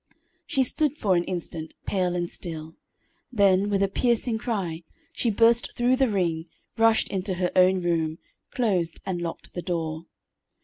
She stood for an instant, pale and still, then, with a piercing cry, she burst through the ring, rushed into her own room, closed and locked the door.